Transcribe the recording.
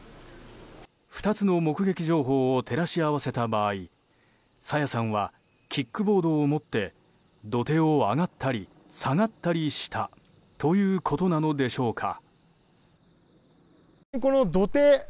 ２つの目撃情報を照らし合わせた場合朝芽さんはキックボードを持って土手を上がったり下がったりしたということなのでしょうか。